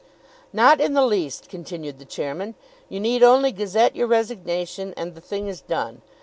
"Not in the least," continued the Chairman. "You need only gazette your resignation and the thing is done.